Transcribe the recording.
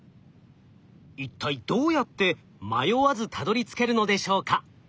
一体どうやって迷わずたどりつけるのでしょうか？